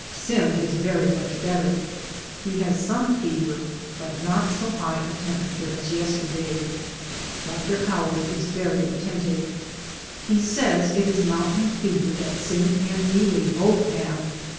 Sim is very much better; he has some i8o DAYS ON THE ROAD. fever, but not so high a temperature as yesterday. Dr. Howard is very attentive. He says it is mountain fever that Sim and NeeHe both have.